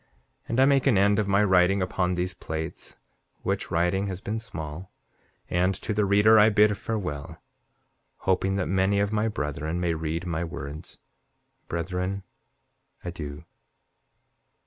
And I make an end of my writing upon these plates, which writing has been small; and to the reader I bid farewell, hoping that many of my brethren may read my words. Brethren, adieu.